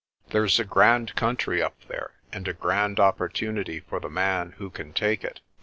There's a grand coun try up there, and a grand opportunity for the man who can take it.